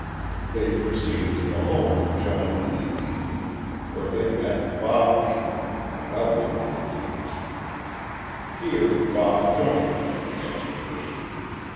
They proceeded to the home of John E. Deaton, where they met Bob Deaton, another of the accused. Here Bob joined them in the expedition.